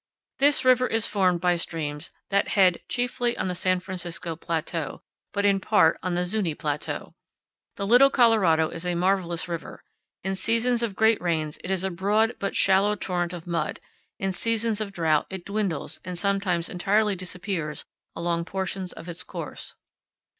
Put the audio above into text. This river is formed by streams that head chiefly on the San Francisco Plateau, but in part on the Zuñi Plateau. The Little Colorado is a marvelous river. In seasons of great rains it is a broad but shallow torrent of mud; in seasons of drought it dwindles and sometimes entirely disappears along portions of its course.